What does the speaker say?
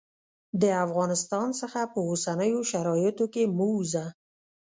د افغانستان څخه په اوسنیو شرایطو کې مه ووزه.